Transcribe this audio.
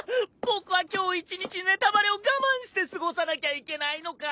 僕は今日一日ネタバレを我慢して過ごさなきゃいけないのか。